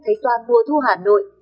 thấy toàn mùa thu hà nội